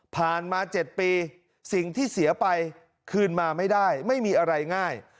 มา๗ปีสิ่งที่เสียไปคืนมาไม่ได้ไม่มีอะไรง่าย